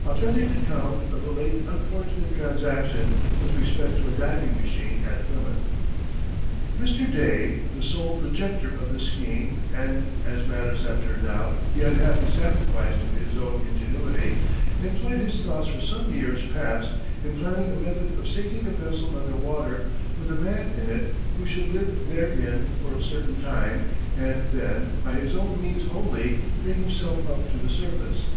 Authentic account of a late unfortunate transaction, with respect to a diving machine at Plymouth. Mr. Day (the sole projector of the scheme, and, as matters have turned out, the unhappy sacrifice to his own ingenuity) employed his thoughts for some years past in planning a method of sinking a vessel under water, with a man in it, who should live therein for a certain time, and then by his own means only, bring himself up to the surface.